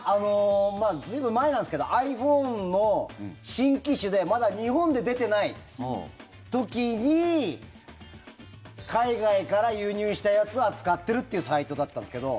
随分前なんですけどｉＰｈｏｎｅの新機種でまだ日本で出てない時に海外から輸入したやつを扱ってるっていうサイトだったんですけど。